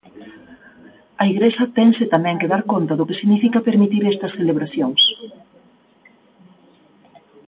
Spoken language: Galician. A Igrexa tense tamén que dar conta do que significa permitir estas celebracións.